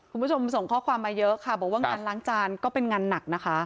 คุณผู้ชมส่งข้อความมาเยอะค่ะบอกว่างานล้างจานก็เป็นงานหนักนะคะ